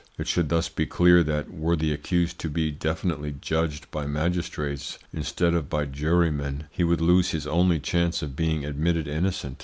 It should thus be clear that were the accused to be definitely judged by magistrates instead of by jurymen, he would lose his only chance of being admitted innocent.